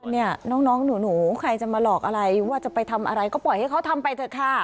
เนี่ยน้องหนูใครจะมาหลอกอะไรว่าจะไปทำอะไรก็ปล่อยให้เขาทำไปเถอะค่ะ